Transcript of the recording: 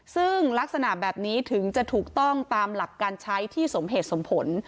ซึ่งลักษณะแบบนี้ถึงจะถูกต้องตามหลักการใช้ที่สมเหตุสมผล